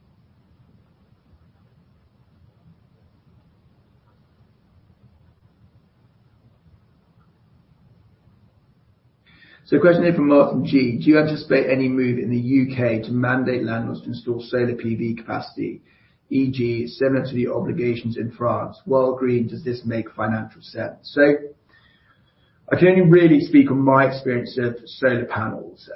So question here from Martin G: Do you anticipate any move in the UK to mandate landlords to install solar PV capacity, e.g., similar to the obligations in France? While green, does this make financial sense? So I can only really speak on my experience of solar panels.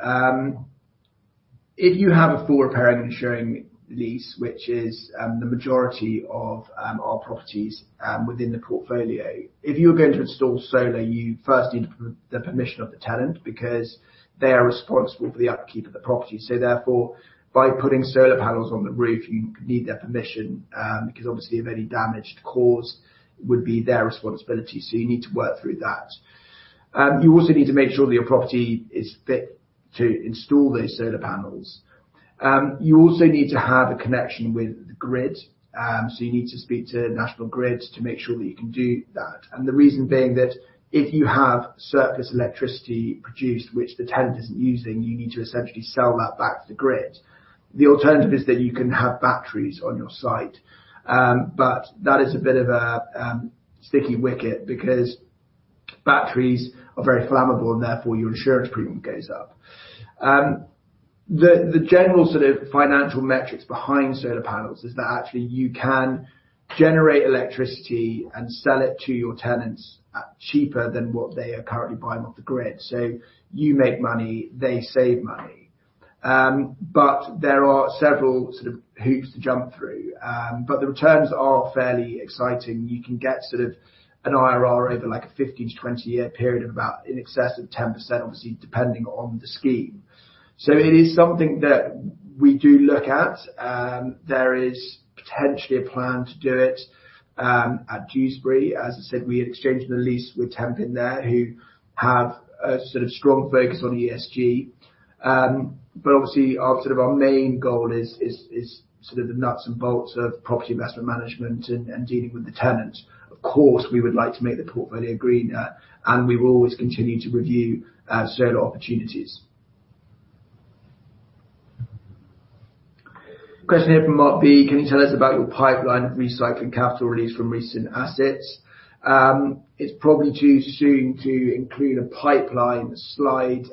If you have a full repairing and insuring lease, which is the majority of our properties within the portfolio, if you are going to install solar, you first need the permission of the tenant because they are responsible for the upkeep of the property. So therefore, by putting solar panels on the roof, you need their permission, because obviously any damage caused would be their responsibility, so you need to work through that. You also need to make sure that your property is fit to install those solar panels. You also need to have a connection with the grid, so you need to speak to National Grid to make sure that you can do that. The reason being that if you have surplus electricity produced, which the tenant isn't using, you need to essentially sell that back to the grid. The alternative is that you can have batteries on your site, but that is a bit of a sticky wicket, because batteries are very flammable, and therefore, your insurance premium goes up. The general sort of financial metrics behind solar panels is that actually you can generate electricity and sell it to your tenants at cheaper than what they are currently buying off the grid. So you make money, they save money. But there are several sort of hoops to jump through. But the returns are fairly exciting. You can get sort of an IRR over like a 15- to 20-year period, of about in excess of 10%, obviously, depending on the scheme. So it is something that we do look at. There is potentially a plan to do it at Dewsbury. As I said, we're exchanging the lease with Tenpin there, who have a sort of strong focus on ESG. But obviously, our sort of main goal is sort of the nuts and bolts of property investment management and dealing with the tenant. Of course, we would like to make the portfolio greener, and we will always continue to review solar opportunities. Question here from Mark B: Can you tell us about your pipeline recycling capital release from recent assets? It's probably too soon to include a pipeline slide.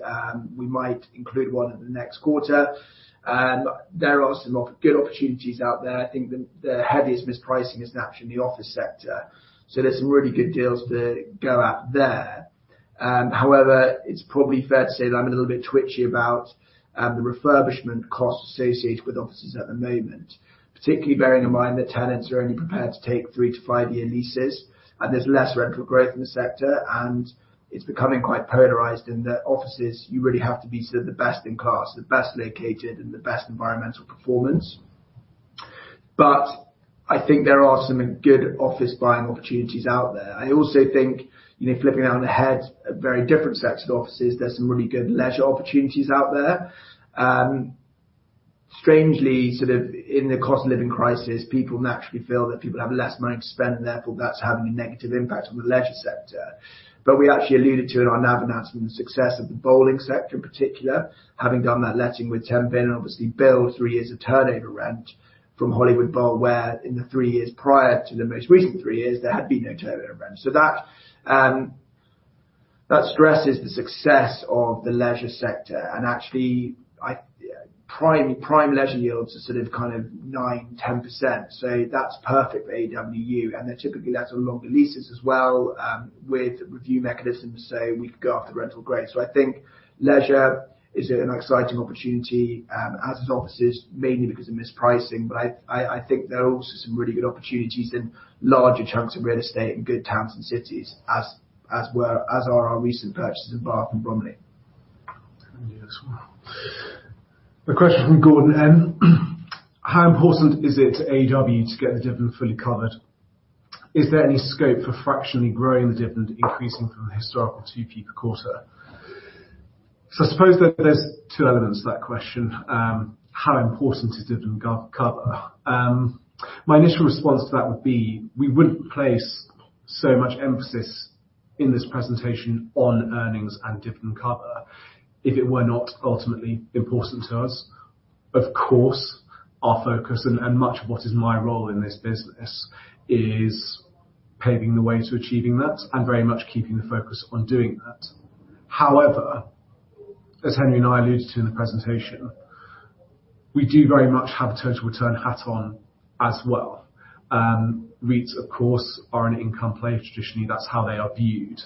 We might include one in the next quarter. There are some good opportunities out there. I think the heaviest mispricing is actually in the office sector, so there's some really good deals to go at there. However, it's probably fair to say that I'm a little bit twitchy about the refurbishment costs associated with offices at the moment, particularly bearing in mind that tenants are only prepared to take 3-5-year leases, and there's less rental growth in the sector, and it's becoming quite polarized in that offices, you really have to be sort of the best in class, the best located, and the best environmental performance. But I think there are some good office buying opportunities out there. I also think, you know, flipping around the head, a very different set of offices, there's some really good leisure opportunities out there. Strangely, sort of in the cost of living crisis, people naturally feel that people have less money to spend, and therefore, that's having a negative impact on the leisure sector. But we actually alluded to it in our NAV announcement, the success of the bowling sector in particular, having done that letting with Tenpin, and obviously, full three years of turnover rent from Hollywood Bowl, where in the three years prior to the most recent three years, there had been no turnover rent. So that, that stresses the success of the leisure sector. And actually, I, prime, prime leisure yields are sort of, kind of 9%-10%, so that's perfect for AEW UK. And they're typically let on longer leases as well, with review mechanisms, so we can go after rental growth. So I think leisure is an exciting opportunity, as is offices, mainly because of mispricing. But I think there are also some really good opportunities in larger chunks of real estate in good towns and cities, as are our recent purchases of Bath and Bromley. A question from Gordon M: How important is it to AEW to get the dividend fully covered? Is there any scope for fractionally growing the dividend, increasing from the historical 2p per quarter? So I suppose there, there's two elements to that question. How important is dividend cover? My initial response to that would be, we wouldn't place so much emphasis in this presentation on earnings and dividend cover if it were not ultimately important to us. Of course, our focus, and much of what is my role in this business, is paving the way to achieving that, and very much keeping the focus on doing that. However, as Henry and I alluded to in the presentation, we do very much have a total return hat on as well. REITs, of course, are an income play. Traditionally, that's how they are viewed.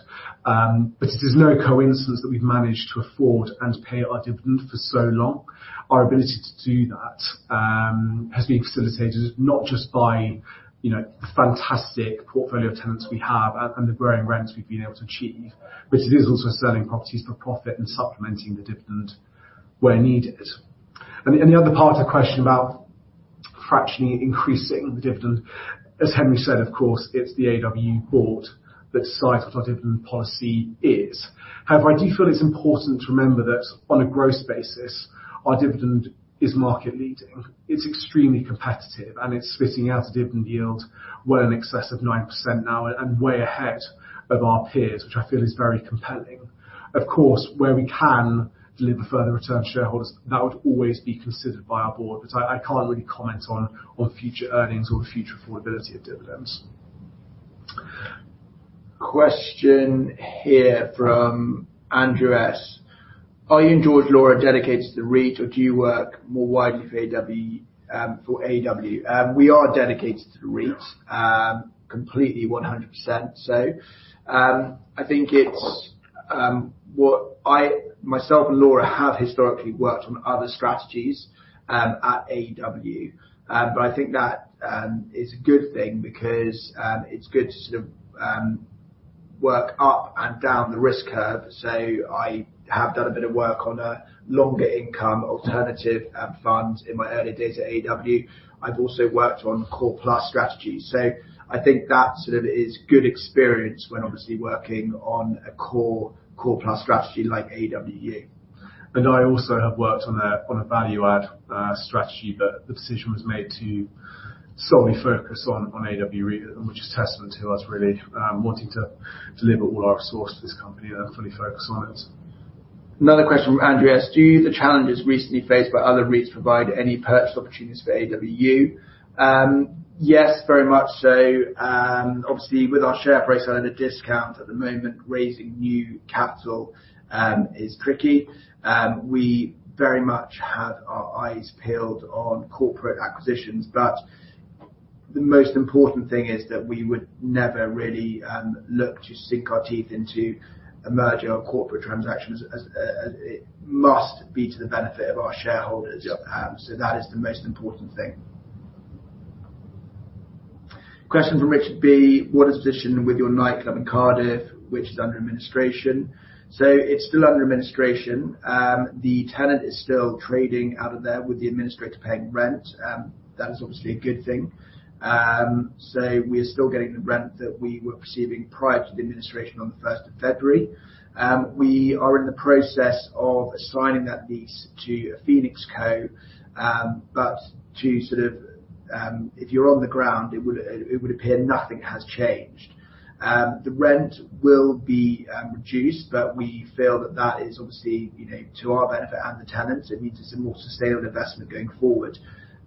But it is no coincidence that we've managed to afford and pay our dividend for so long. Our ability to do that has been facilitated not just by, you know, the fantastic portfolio tenants we have and, and the growing rents we've been able to achieve, but it is also selling properties for profit and supplementing the dividend where needed. And the, and the other part of the question about fractionally increasing the dividend, as Henry said, of course, it's the AEW board that decides what our dividend policy is. However, I do feel it's important to remember that on a growth basis, our dividend is market leading. It's extremely competitive, and it's splitting out a dividend yield well in excess of 9% now, and way ahead of our peers, which I feel is very compelling. Of course, where we can deliver further return to shareholders, that would always be considered by our board. But I can't really comment on future earnings or the future affordability of dividends. Question here from Andrew S: Are you and George, Laura dedicated to the REIT, or do you work more widely for AEW, for AEW? We are dedicated to the REIT, completely 100% so. I think it's myself and Laura have historically worked on other strategies at AEW. But I think that is a good thing because it's good to sort of work up and down the risk curve. So I have done a bit of work on a longer income alternative fund in my early days at AEW. I've also worked on core plus strategies, so I think that sort of is good experience when obviously working on a core, core plus strategy like AEW UK. And I also have worked on a value add strategy, but the decision was made to solely focus on AEW REIT, which is testament to us really wanting to deliver all our resources to this company and fully focus on it. Another question from Andreas: Do the challenges recently faced by other REITs provide any purchase opportunities for AEW? Yes, very much so. Obviously, with our share price at a discount at the moment, raising new capital is tricky. We very much have our eyes peeled on corporate acquisitions, but the most important thing is that we would never really look to sink our teeth into a merger or corporate transaction as it must be to the benefit of our shareholders. Yep. So that is the most important thing. Question from Richard B: What is the position with your nightclub in Cardiff, which is under administration? So it's still under administration. The tenant is still trading out of there with the administrator paying rent. That is obviously a good thing. So we are still getting the rent that we were receiving prior to the administration on the first of February. We are in the process of assigning that lease to a Phoenix co. But to sort of, if you're on the ground, it would, it would appear nothing has changed. The rent will be reduced, but we feel that that is obviously, you know, to our benefit and the tenant's. It means it's a more sustainable investment going forward.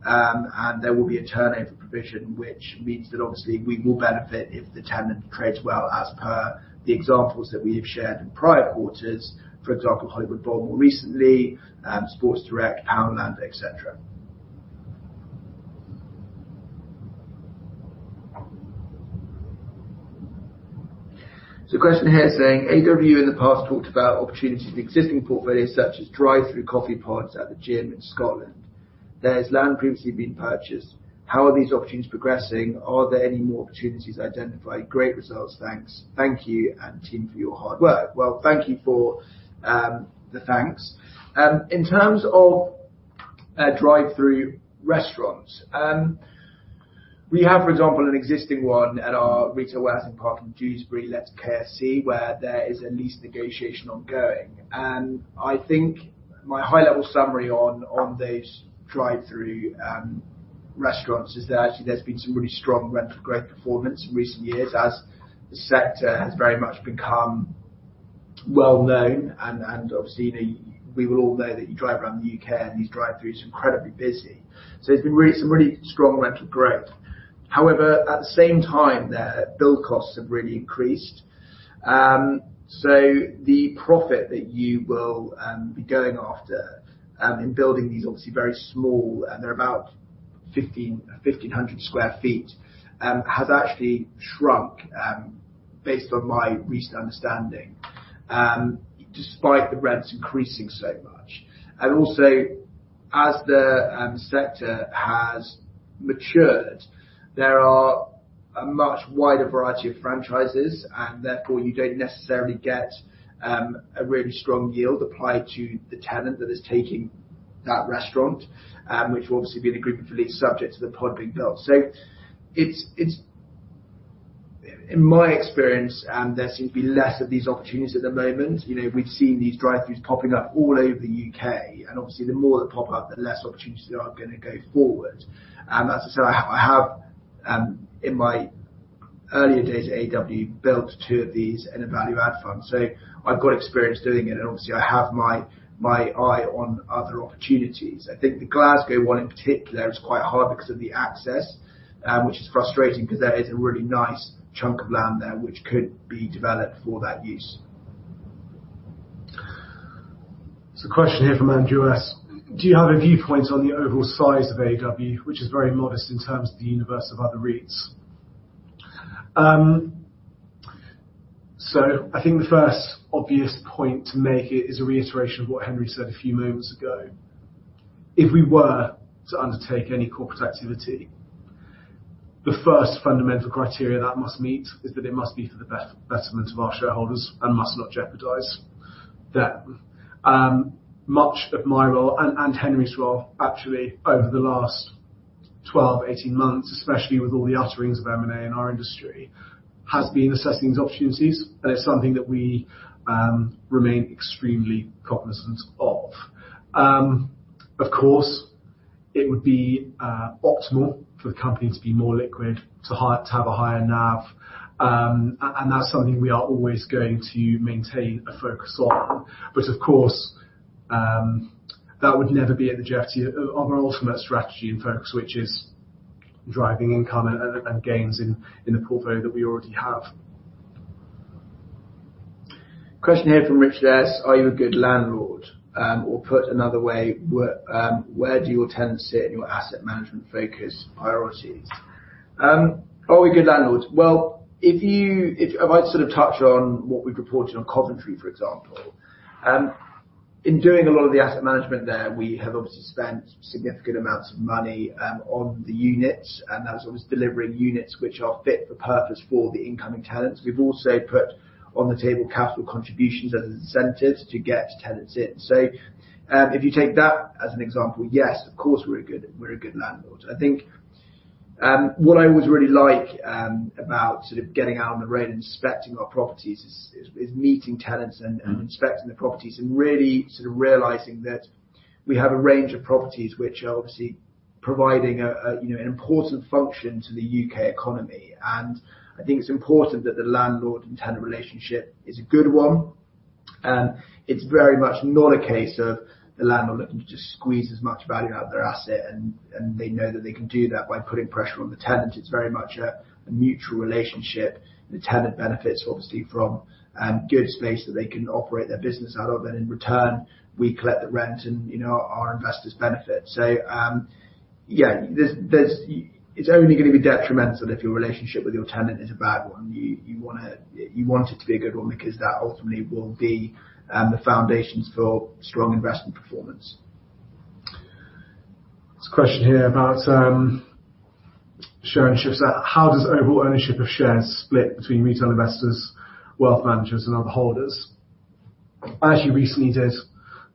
And there will be a turnover provision, which means that obviously we will benefit if the tenant trades well, as per the examples that we have shared in prior quarters, for example, Hollywood Bowl, more recently, Sports Direct, Poundland, et cetera. So a question here saying, AEW in the past talked about opportunities in the existing portfolio, such as drive-through coffee pods at the gym in Scotland. There's land previously being purchased. How are these opportunities progressing? Are there any more opportunities identified? Great results, thanks. Thank you and team for your hard work. Well, thank you for the thanks. In terms of drive-through restaurants, we have, for example, an existing one at our retail warehousing park in Dewsbury, let to KFC, where there is a lease negotiation ongoing. I think my high-level summary on those drive-through restaurants is that actually, there's been some really strong rental growth performance in recent years as the sector has very much become well known, and obviously, we will all know that you drive around the UK, and these drive-throughs are incredibly busy. So there's been some really strong rental growth. However, at the same time, their build costs have really increased. So the profit that you will be going after in building these obviously very small, and they're about 1,500 sq ft, has actually shrunk based on my recent understanding despite the rents increasing so much. And also, as the sector has matured, there are a much wider variety of franchises, and therefore, you don't necessarily get a really strong yield applied to the tenant that is taking that restaurant, which will obviously be an agreement for lease subject to the pod being built. So it's. In my experience, there seem to be less of these opportunities at the moment. You know, we've seen these drive-throughs popping up all over the UK, and obviously, the more that pop up, the less opportunities there are gonna go forward. And that's to say, I have, in my earlier days at AEW, built two of these in a value add fund, so I've got experience doing it, and obviously, I have my eye on other opportunities. I think the Glasgow one in particular is quite hard because of the access, which is frustrating because there is a really nice chunk of land there, which could be developed for that use. There's a question here from Andrew S: Do you have a viewpoint on the overall size of AEW, which is very modest in terms of the universe of other REITs? So I think the first obvious point to make here is a reiteration of what Henry said a few moments ago. If we were to undertake any corporate activity, the first fundamental criteria that must meet is that it must be for the betterment of our shareholders and must not jeopardize them. Much of my role and, and Henry's role, actually, over the last 12, 18 months, especially with all the utterings of M&A in our industry, has been assessing these opportunities, and it's something that we remain extremely cognizant of. Of course, it would be optimal for the company to be more liquid, to have a higher NAV, and that's something we are always going to maintain a focus on. But of course, that would never be at the jeopardy of our ultimate strategy and focus, which is driving income and gains in the portfolio that we already have. Question here from Richard S: Are you a good landlord? Or put another way, where do your tenants sit in your asset management focus priorities? Are we good landlords? Well, if I might sort of touch on what we've reported on Coventry, for example. In doing a lot of the asset management there, we have obviously spent significant amounts of money on the units, and that was obviously delivering units which are fit for purpose for the incoming tenants. We've also put on the table capital contributions as an incentive to get tenants in. So, if you take that as an example, yes, of course, we're a good landlord. I think. What I always really like about sort of getting out on the road and inspecting our properties is meeting tenants and inspecting the properties, and really sort of realizing that we have a range of properties which are obviously providing, you know, an important function to the UK economy. I think it's important that the landlord and tenant relationship is a good one. It's very much not a case of the landlord looking to just squeeze as much value out of their asset, and they know that they can do that by putting pressure on the tenant. It's very much a mutual relationship. The tenant benefits, obviously, from good space that they can operate their business out of, and in return, we collect the rent and, you know, our investors benefit. So, there's—it's only gonna be detrimental if your relationship with your tenant is a bad one. You wanna. You want it to be a good one, because that ultimately will be the foundations for strong investment performance. There's a question here about share ownerships. How does overall ownership of shares split between retail investors, wealth managers, and other holders? I actually recently did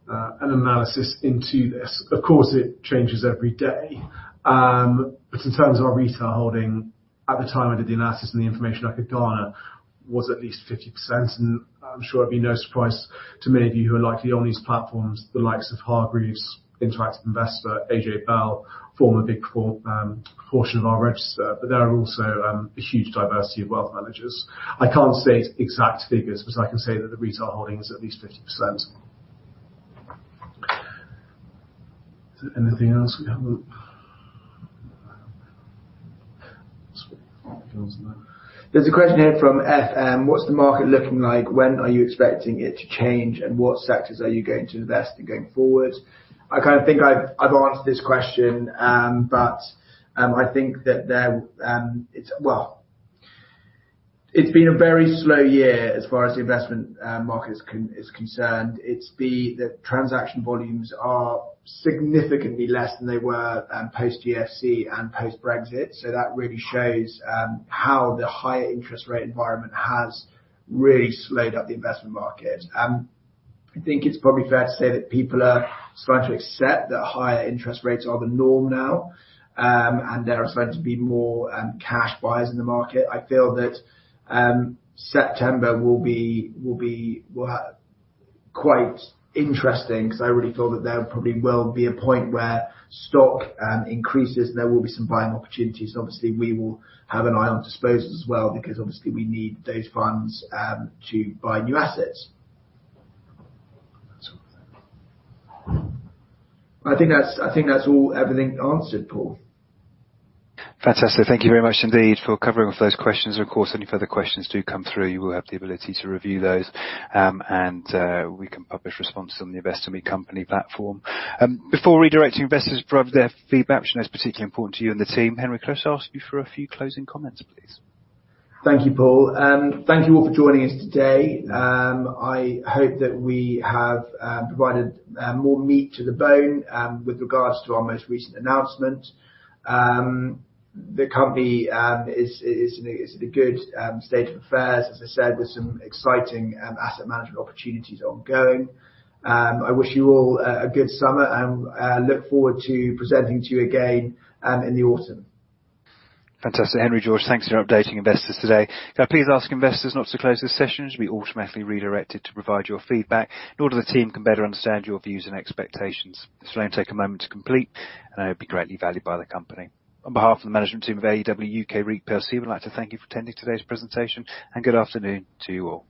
an analysis into this. Of course, it changes every day. But in terms of our retail holding, at the time I did the analysis and the information I could garner, was at least 50%, and I'm sure it'd be no surprise to many of you who are likely on these platforms, the likes of Hargreaves, interactive investor, AJ Bell, form a big portion of our register. But there are also a huge diversity of wealth managers. I can't state exact figures, but I can say that the retail holdings at least 50%. Is there anything else we haven't? There's a question here from FM: What's the market looking like? When are you expecting it to change, and what sectors are you going to invest in going forward? I kind of think I've answered this question, but I think that there, it's... Well, it's been a very slow year as far as the investment market is concerned. It's the transaction volumes are significantly less than they were, post GFC and post-Brexit, so that really shows how the higher interest rate environment has really slowed up the investment market. I think it's probably fair to say that people are starting to accept that higher interest rates are the norm now, and there are starting to be more cash buyers in the market. I feel that September will be well quite interesting, because I really feel that there probably will be a point where stock increases, and there will be some buying opportunities. Obviously, we will have an eye on disposals as well, because obviously we need those funds to buy new assets. I think that's all, everything answered, Paul. Fantastic. Thank you very much indeed for covering off those questions. Of course, any further questions do come through, you will have the ability to review those, and we can publish responses on the Investor Meet Company platform. Before redirecting investors for their feedback, which is particularly important to you and the team, Henry, can I just ask you for a few closing comments, please? Thank you, Paul. Thank you all for joining us today. I hope that we have provided more meat to the bone with regards to our most recent announcement. The company is in a good state of affairs, as I said, with some exciting asset management opportunities ongoing. I wish you all a good summer, and look forward to presenting to you again in the autumn. Fantastic. Henry, George, thanks for updating investors today. Can I please ask investors not to close this session? You should be automatically redirected to provide your feedback, in order the team can better understand your views and expectations. This will only take a moment to complete, and it would be greatly valued by the company. On behalf of the management team of AEW UK REIT PLC, we'd like to thank you for attending today's presentation, and good afternoon to you all.